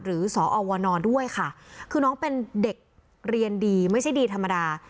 สอวนด้วยค่ะคือน้องเป็นเด็กเรียนดีไม่ใช่ดีธรรมดา